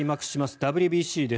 ＷＢＣです。